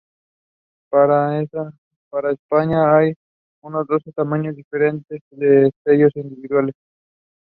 The Royal Qatar Coast Guard Command ordered and received ten boats of this type.